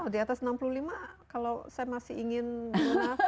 di atas enam puluh lima kalau saya masih ingin menggunakan